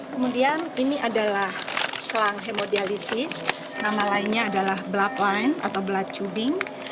kemudian ini adalah selang hemodialisis nama lainnya adalah blood line atau blood tubing